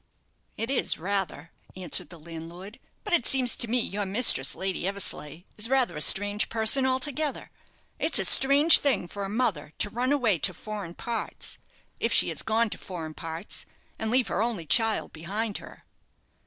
"It is, rather," answered the landlord; "but it seems to me your mistress, Lady Eversleigh, is rather a strange person altogether. It's a strange thing for a mother to run away to foreign parts if she has gone to foreign parts and leave her only child behind her."